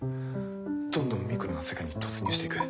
どんどんミクロの世界に突入していく。